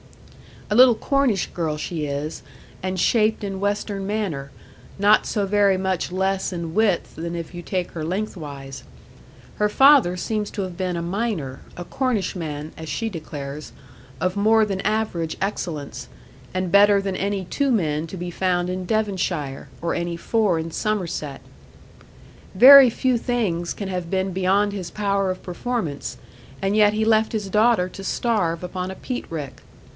'A little Cornish girl she is, and shaped in western manner, not so very much less in width than if you take her lengthwise. Her father seems to have been a miner, a Cornishman (as she declares) of more than average excellence, and better than any two men to be found in Devonshire, or any four in Somerset. Very few things can have been beyond his power of performance, and yet he left his daughter to starve upon a peat rick.